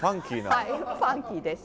はいファンキーです。